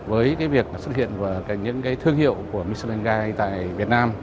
với cái việc xuất hiện vào những cái thương hiệu của michelin guide tại việt nam